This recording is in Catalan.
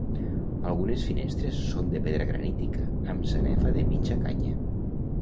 Algunes finestres són de pedra granítica amb sanefa de mitja canya.